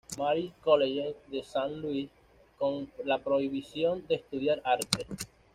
Mary's College de Saint Louis con la prohibición de estudiar arte.